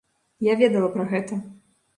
Я ведала пра гэта.